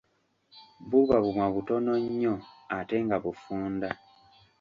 Buba bumwa butono nnyo ate nga bufunda.